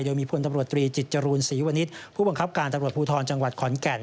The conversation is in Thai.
โดยมีพลตำรวจตรีจิตจรูลศรีวนิษฐ์ผู้บังคับการตำรวจภูทรจังหวัดขอนแก่น